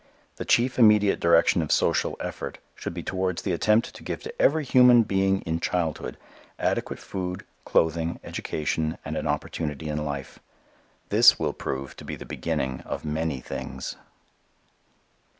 The chief immediate direction of social effort should be towards the attempt to give to every human being in childhood adequate food, clothing, education and an opportunity in life. This will prove to be the beginning of many things.